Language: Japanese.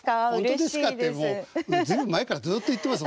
本当ですかってもう随分前からずっと言ってます。